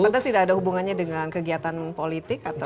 padahal tidak ada hubungannya dengan kegiatan politik atau